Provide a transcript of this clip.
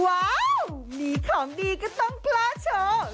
ว้าวมีของดีก็ต้องกล้าโชว์